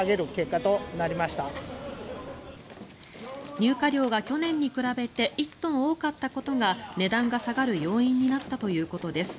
入荷量が去年に比べて１トン多かったことが値段が下がる要因になったということです。